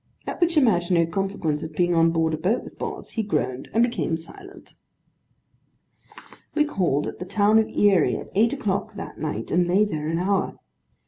at which imaginary consequence of being on board a boat with Boz, he groaned, and became silent. We called at the town of Erie, at eight o'clock that night, and lay there an hour.